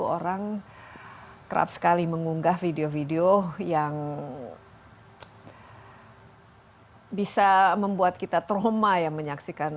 orang kerap sekali mengunggah video video yang bisa membuat kita trauma ya menyaksikan